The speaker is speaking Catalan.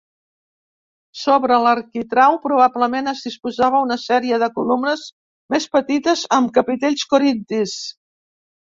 Sobre l'arquitrau probablement es disposava una sèrie de columnes més petites amb capitells corintis.